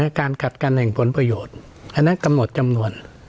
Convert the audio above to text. การกัดกันแห่งผลประโยชน์อันนั้นกำหนดจำนวน